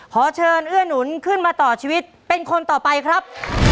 ขอเชิญเอื้อหนุนขึ้นมาต่อชีวิตเป็นคนต่อไปครับ